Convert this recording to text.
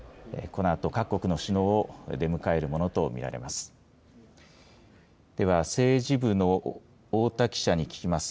このあと各国の首脳を出迎えるものと見られます。